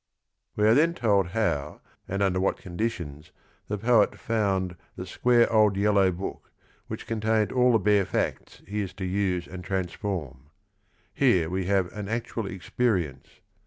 We are then told how and under what con ditions the poet found "the square old yellow book" which contained all the bare facts he is to use and transform. Here we have an actual experience.